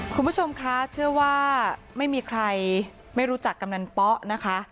คุณผู้ชมคะเชื่อว่าไม่มีใครไม่รู้จักกำนันป๊อนะคะ